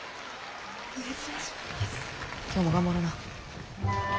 今日も頑張ろな。